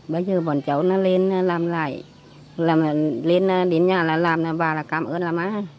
bây giờ bọn cháu nó lên làm lại lên đến nhà là làm bà là cảm ơn là mát